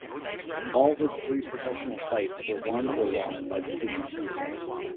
All his three professional fights were won or lost by decision.